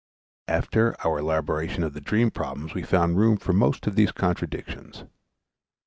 After our elaboration of the dream problems we found room for most of these contradictions.